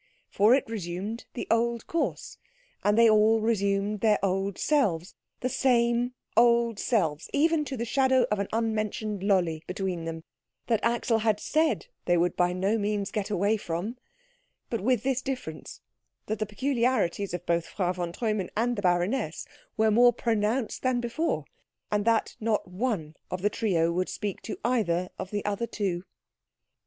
For it resumed the old course, and they all resumed their old selves, the same old selves, even to the shadow of an unmentioned Lolli between them, that Axel had said they would by no means get away from; but with this difference, that the peculiarities of both Frau von Treumann and the baroness were more pronounced than before, and that not one of the trio would speak to either of the other two.